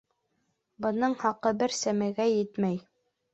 — Бының хаҡы бер сәмәйгә етмәй...